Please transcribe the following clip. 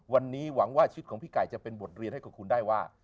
วันนี้หวังว่าชีวิตของพี่ไก่จะเป็นบทเรียนให้กับคุณได้ว่า